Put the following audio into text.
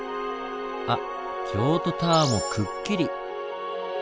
あっ京都タワーもくっきり！